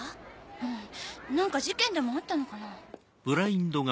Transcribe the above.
うん何か事件でもあったのかな？